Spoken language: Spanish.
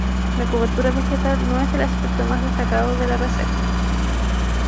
La cobertura vegetal no es el aspecto más destacado de la reserva.